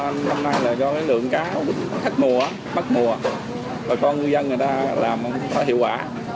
năm nay là do lượng cá bắt mùa bắt mùa và con ngư dân người ta làm hiệu quả